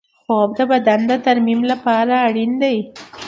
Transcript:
خوب د بدن د ترمیم لپاره اړین دی